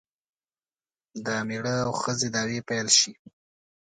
د میړه او ښځې دعوې پیل شي.